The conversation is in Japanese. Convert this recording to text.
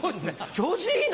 調子いいな。